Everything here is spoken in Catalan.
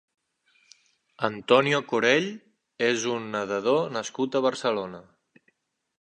Antonio Corell és un nedador nascut a Barcelona.